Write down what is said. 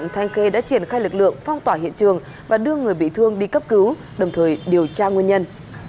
thanh khê đã triển khai lực lượng phong tỏa hiện trường và đưa người bị thương đi cấp cứu đồng thời điều tra nguyên nhân